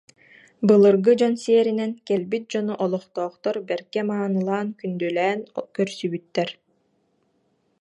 Былыргы дьон сиэринэн кэлбит дьону олохтоохтор бэркэ маанылаан, күндүлээн көрсүбүттэр